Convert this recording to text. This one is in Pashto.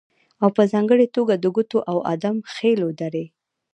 او په ځانګړې توګه د کوټې او ادم خېلو درې